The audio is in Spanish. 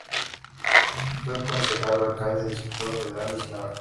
Fue concejal, alcalde, diputado federal y senador.